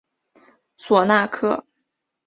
索纳克。